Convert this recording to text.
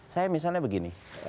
saya misalnya begini